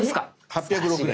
８０６年。